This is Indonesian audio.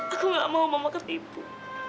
aku gak mau mama ketipu